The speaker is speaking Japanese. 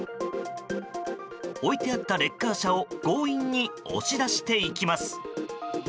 置いてあったレッカー車を強引に押し出していきます。